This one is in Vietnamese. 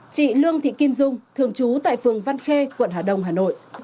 chị lương thị kim dung thường trú tại phường văn khê quận hà đông hà nội